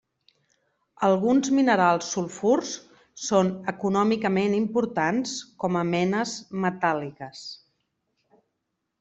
Alguns minerals sulfurs són econòmicament importants com a menes metàl·liques.